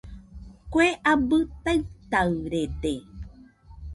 Kue abɨ taɨtaɨrede